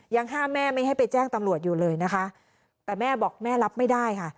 ยังห้ามแม่ไม่ให้ไปแจ้งตำรวจอยู่เลยนะคะแต่แม่บอกแม่รับไม่ได้ค่ะ